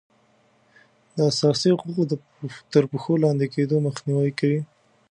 د اساسي حقوقو تر پښو لاندې کیدو مخنیوی کوي.